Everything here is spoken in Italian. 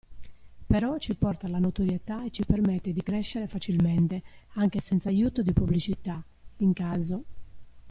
Però ci porta la notorietà e ci permette di crescere facilmente anche senza aiuto di pubblicità, in caso.